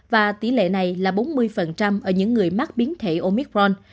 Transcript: và tỷ lệ này là bốn mươi ở những người mắc biến thể omicron